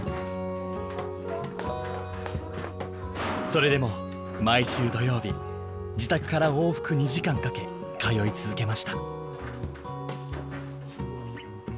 それでも毎週土曜日自宅から往復２時間かけ通い続けました。